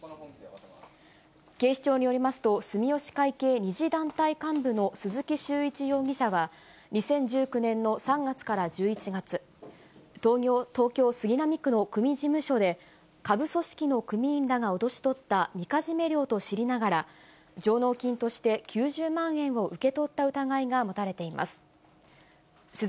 警視庁によりますと、住吉会系２次団体幹部の鈴木修一容疑者は、２０１９年の３月から１１月、東京・杉並区の組事務所で、下部組織の組員らが脅し取ったみかじめ料と知りながら、上納金として９０万円を受け取った疑いが持たれています。